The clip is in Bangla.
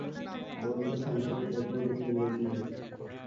বরঞ্চ খানসামার তকমা দেখলে লেজ নাড়ে।